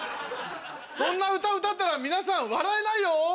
そんな歌歌ったら皆さん笑えないよ！